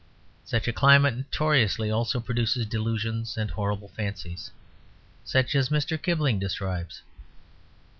Such a climate notoriously also produces delusions and horrible fancies, such as Mr. Kipling describes.